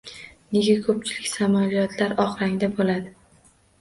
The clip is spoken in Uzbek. Nega koʻpchilik samolyotlar oq rangda boʻladi?